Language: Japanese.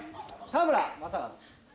田村正和。